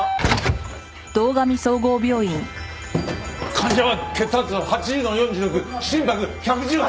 患者は血圧８０の４６心拍１１８！